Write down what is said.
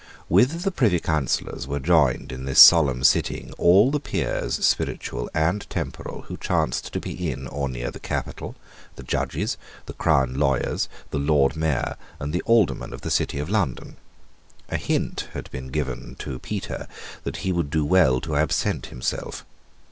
With the Privy Councillors were joined, in this solemn sitting, all the Peers Spiritual and Temporal who chanced to be in or near the capital, the Judges, the crown lawyers, the Lord Mayor and the Aldermen of the City of London. A hint had been given to Petre that he would do well to absent himself.